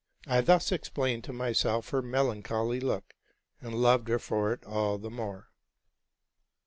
I thus explained to myself her melancholy look, and loved her for it all the more.